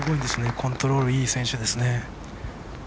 コントロールいい選手ですね。